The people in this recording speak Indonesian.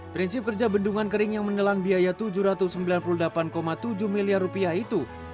prinsip kerja bendungan kering yang menelan biaya tujuh ratus sembilan puluh delapan tujuh miliar rupiah itu